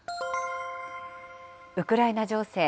ウクライナ情勢。